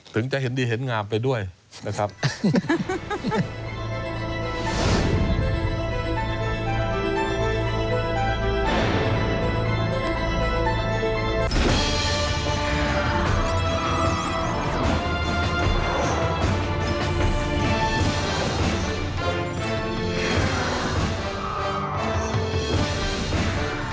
ถึงจะเห็นดีเห็นงามไปด้วยนะครับ